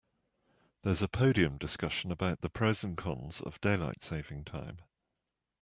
There's a podium discussion about the pros and cons of daylight saving time.